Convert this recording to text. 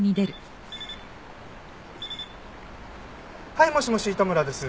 はいもしもし糸村です。